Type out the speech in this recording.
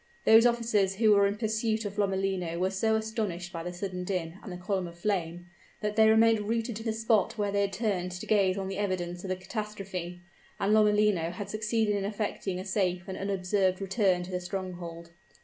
Those officers who were in pursuit of Lomellino were so astounded by the sudden din and the column of flame, that they remained rooted to the spot where they had turned to gaze on the evidence of the catastrophe: and Lomellino had succeeded in effecting a safe and unobserved return to the stronghold.